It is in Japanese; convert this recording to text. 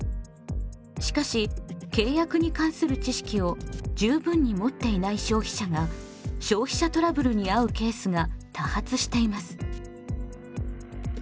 しかし契約に関する知識を十分に持っていない消費者が消費者トラブルに遭うケースが多発しています。